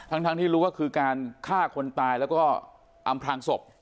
ทั้งที่รู้ว่าคือการฆ่าคนตายแล้วก็อำพลางศพ